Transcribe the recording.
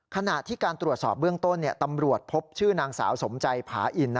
ขณะที่การตรวจสอบเบื้องต้นตำรวจพบชื่อนางสาวสมใจผาอิน